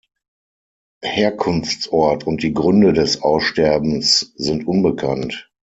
Herkunftsort und die Gründe des Aussterbens sind unbekannt.